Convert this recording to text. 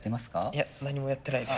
いや何もやってないです。